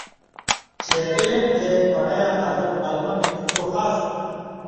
چے علم تے پڑَیں یاں تعلق قلمہ ملی چو خاص تُھو۔